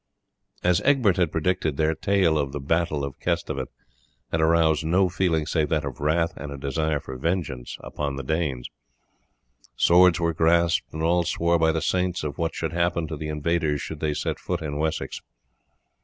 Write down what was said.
As Egbert had predicted, their tale of the battle of Kesteven here aroused no feeling save that of wrath and a desire for vengeance upon the Danes. Swords were grasped, and all swore by the saints of what should happen to the invaders should they set foot in Wessex.